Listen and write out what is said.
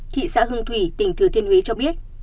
thị xã hương thủy tỉnh thừa thiên huế cho biết